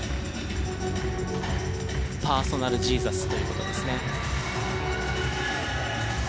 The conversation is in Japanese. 「パーソナルジーザス」という事ですね。